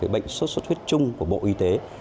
bệnh sốt xuất huyết chung của bộ y tế